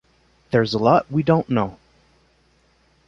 There's a lot we don't know.